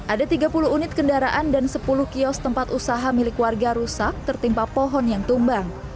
ada tiga puluh unit kendaraan dan sepuluh kios tempat usaha milik warga rusak tertimpa pohon yang tumbang